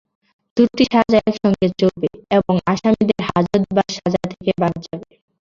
দুটি সাজা একসঙ্গে চলবে এবং আসামিদের হাজতবাস সাজা থেকে বাদ যাবে।